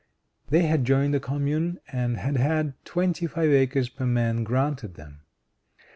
They had joined the Commune, and had had twenty five acres per man granted them.